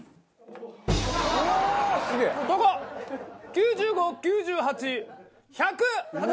９５９８１００８５！